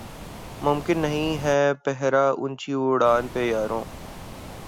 ممکن نہیں ہے پہرہ اونچی اڑاں پہ یارو